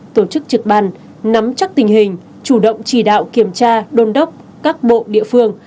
tổ chức trực ban nắm chắc tình hình chủ động chỉ đạo kiểm tra đôn đốc các bộ địa phương